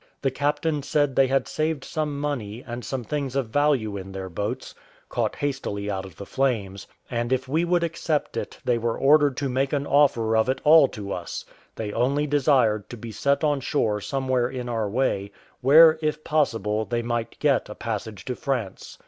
The captain said they had saved some money and some things of value in their boats, caught hastily out of the flames, and if we would accept it they were ordered to make an offer of it all to us; they only desired to be set on shore somewhere in our way, where, if possible, they might get a passage to France.